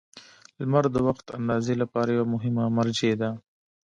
• لمر د وخت اندازې لپاره یوه مهمه مرجع ده.